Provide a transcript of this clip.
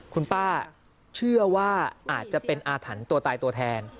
คุณป้าเชื่อว่าอาจจะเป็นอาถรรพ์ตัวตายตัวแทน